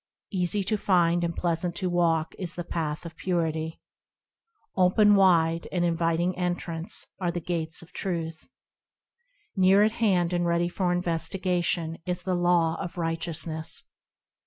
Easy to find and pleasant to walk: is the path, of Purity ; Open wide, and inviting entrance, are the Gates of Truth ; Near at hand and ready for investigation is the Law of Righteousness.